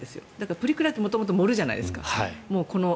プリクラって元々盛るじゃないですか。